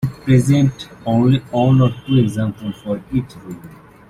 We present only one or two examples for each rule.